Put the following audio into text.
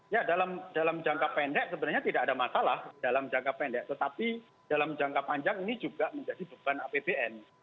ya dalam jangka pendek sebenarnya tidak ada masalah dalam jangka pendek tetapi dalam jangka panjang ini juga menjadi beban apbn